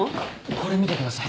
これ見てください。